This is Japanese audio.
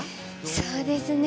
そうですね。